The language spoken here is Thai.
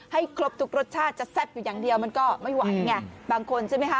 ครบทุกรสชาติจะแซ่บอยู่อย่างเดียวมันก็ไม่ไหวไงบางคนใช่ไหมคะ